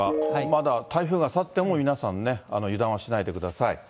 まだ、台風が去っても、皆さんね、油断はしないでください。